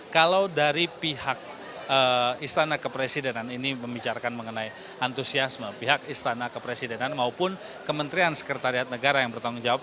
kalau dari pihak istana kepresidenan ini membicarakan mengenai antusiasme pihak istana kepresidenan maupun kementerian sekretariat negara yang bertanggung jawab